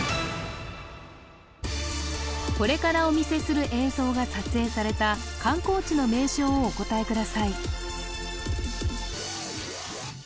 これからお見せする映像が撮影された観光地の名称をお答えください